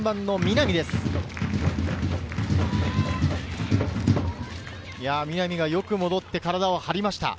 南がよく戻って、体を張りました。